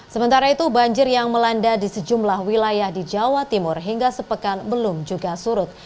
sementara itu banjir yang melanda di sejumlah wilayah di jawa timur hingga sepekan belum juga surut